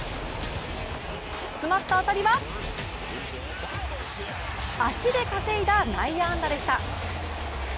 詰まった当たりは足で稼いだ内野安打でした。